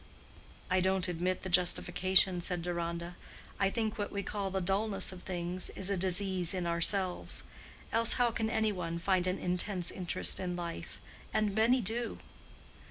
"I don't admit the justification," said Deronda. "I think what we call the dullness of things is a disease in ourselves. Else how can any one find an intense interest in life? And many do."